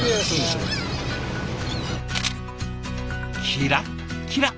キラッキラ！